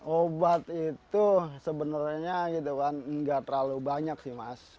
obat itu sebenarnya enggak terlalu banyak sih mas